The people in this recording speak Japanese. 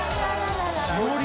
しおり？